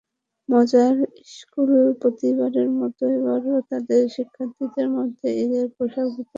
মজার ইশকুল প্রতিবারের মতো এবারও তাদের শিক্ষার্থীদের মধ্যে ঈদের পোশাক বিতরণ করেছে।